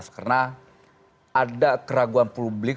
karena ada keraguan publik